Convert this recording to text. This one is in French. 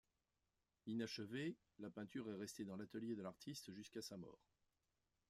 Inachevée, la peinture est restée dans l'atelier de l'artiste jusqu'à sa mort.